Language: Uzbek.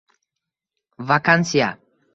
Vakansiya